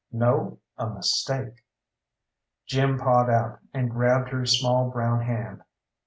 "No, a mistake!" Jim pawed out, and grabbed her small brown hand.